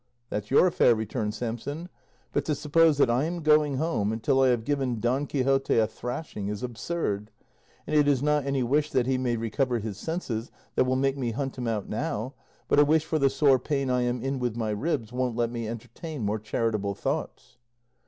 "That's your affair," returned Samson, "but to suppose that I am going home until I have given Don Quixote a thrashing is absurd; and it is not any wish that he may recover his senses that will make me hunt him out now, but a wish for the sore pain I am in with my ribs won't let me entertain more charitable thoughts."